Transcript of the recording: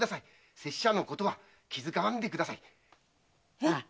拙者のことは気遣わんでください。